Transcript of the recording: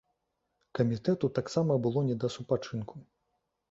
Камітэту таксама было не да супачынку.